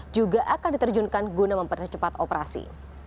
juga akan diterjunkan guna mempercepat operasi